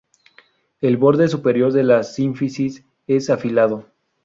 El borde superior de la sínfisis es afilado.